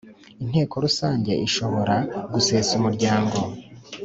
Inteko rusange ishobora gusesa umuryango